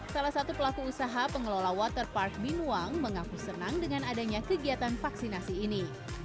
salah satu pelaku usaha pengelola waterpark binuang mengaku senang dengan adanya kegiatan vaksinasi ini